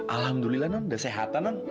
alhamdulillah nam udah sehatan nam